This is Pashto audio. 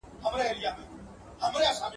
لا د لښتو بارانونه وي درباندي !.